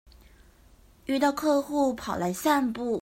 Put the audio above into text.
遇到客戶跑來散步